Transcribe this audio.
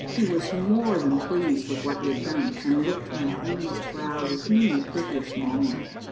He was more than pleased with what he had done, and licked my bruised brow with many a piteous moan.